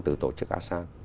từ tổ chức asean